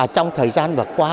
trong thời gian vừa qua